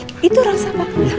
eh itu rasa apa